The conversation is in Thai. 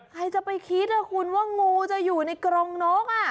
ใครจะไปคิดว่างูจะอยู่ในกรงนกอ่ะ